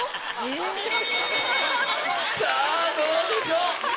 さぁどうでしょう？